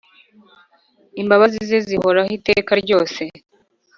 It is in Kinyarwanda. imbabazi ze zihoraho iteka ryose.